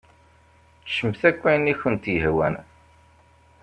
Ččemt akk ayen i kent-yehwan.